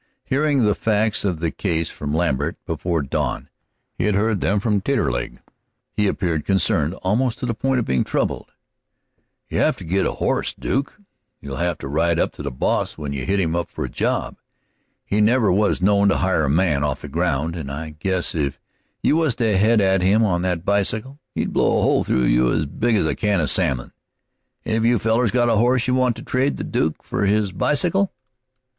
Hearing the facts of the case from Lambert before dawn he had heard them from Taterleg he appeared concerned almost to the point of being troubled. "You'll have to git you a horse, Duke; you'll have to ride up to the boss when you hit him for a job. He never was known to hire a man off the ground, and I guess if you was to head at him on that bicycle, he'd blow a hole through you as big as a can of salmon. Any of you fellers got a horse you want to trade the Duke for his bicycle?"